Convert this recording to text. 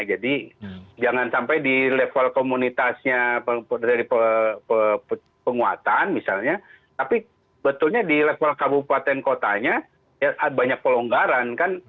jadi jangan sampai di level komunitasnya dari penguatan misalnya tapi betulnya di level kabupaten kotanya banyak pelonggaran